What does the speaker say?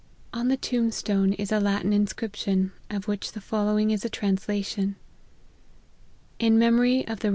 On the tombstone is a Latin inscription, of which the fol lowing is a translation : IN MEMORY OF THE REV.